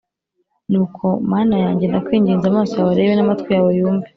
“nuko mana yanjye, ndakwinginze, amaso yawe arebe, n’amatwi yawe yumve